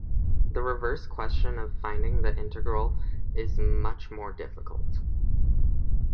The reverse question of finding the integral is much more difficult.